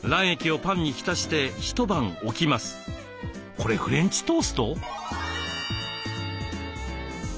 これフレンチトースト？